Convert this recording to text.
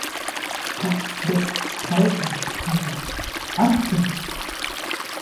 パ＝ド＝カレー県の県都はアラスである